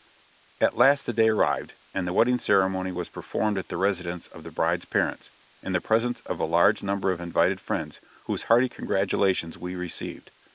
At last the day arrived, and the wedding ceremony was performed at the residence of the bride's parents, in the presence of a large number of invited friends, whose hearty congratulations we received.